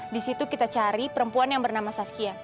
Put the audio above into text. di situ kita cari perempuan yang bernama saskia